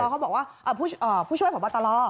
ผอบตลอเขาบอกว่าผู้ช่วยผอบตลอ